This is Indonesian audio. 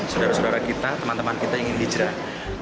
saudara saudara kita teman teman kita yang ingin hijrah